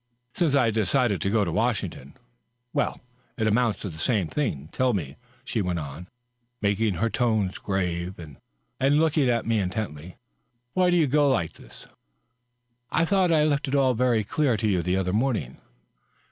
" Since I decided to go to Washington." " Well, it amounts to the same ming. .. Tell me," she went on, making her tones grave and looking at me intently, " why do you go like this?" " I thought I lefli it all very clear to you the other morning."